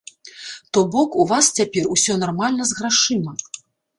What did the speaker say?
То бок, у вас цяпер усё нармальна з грашыма!